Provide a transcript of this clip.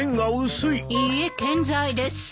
いいえ健在です。